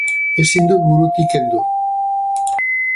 Ezin dut burutik kendu.